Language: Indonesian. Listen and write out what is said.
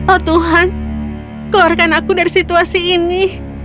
oh tuhan keluarkan aku dari situasi ini